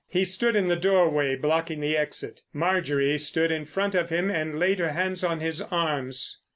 He stood in the doorway blocking the exit. Marjorie stood in front of him and laid her hands on his arms.